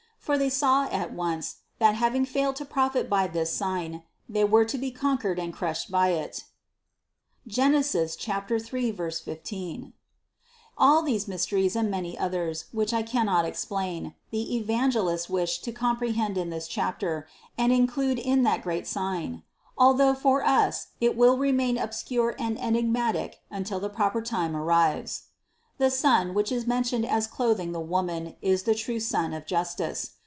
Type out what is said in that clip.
For they saw at once, that having failed to profit by this sign, they were to be con quered and crushed by it (3, 15). All these mysteries, and many others, which I cannot explain, the Evangelist wished to comprehend in this chapter, and include in that great sign; although for us it will remain obscure and enigmatic until the proper time arrives. 98. The sun, which is mentioned as clothing the Woman, is the true Sun of Justice.